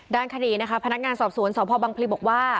ด้านคดีนะคะพนักงานสอบสวนสพบังพลีบอกว่า